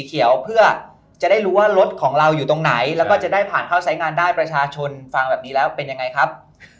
เขียวเพื่อจะได้รู้ว่ารถของเราอยู่ตรงไหนแล้วก็จะได้ผ่านเข้าสายงานได้ประชาชนฟังแบบนี้แล้วเป็นยังไงครับ